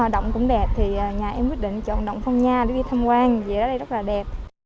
động cũng đẹp thì nhà em quyết định chọn động phong nha đi tham quan vì ở đây rất là đẹp